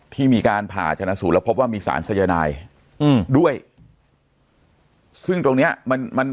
ที่มีการพาจรสู่ระพบว่ามีสารทรยายนายอืมด้วยซึ่งตรงเนี้ยมันมัน